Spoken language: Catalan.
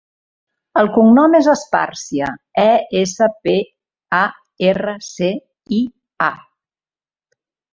El cognom és Esparcia: e, essa, pe, a, erra, ce, i, a.